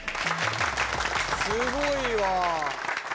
すごいわ。